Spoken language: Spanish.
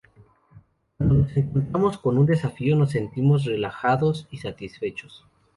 Cuando nos encontramos con un desafío, nos sentimos relajados y satisfechos.